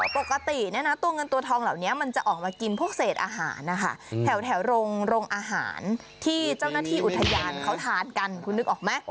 ปกติเนี่ยนะตัวเงินตัวทองเหล่านี้มันจะออกมากินพวกเศษอาหารนะคะแถวโรงอาหารที่เจ้าหน้าที่อุทยานเขาทานกันคุณนึกออกไหม